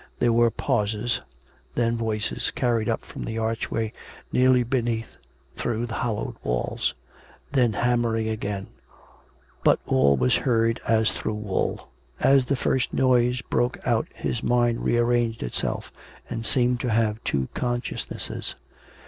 There were pauses; then voices carried up from the archway nearly beneath through the hollowed walls; then hammering again; but all was heard as through wool. As the first noise broke out his mind rearranged itself and seemed to have two consciousnesses.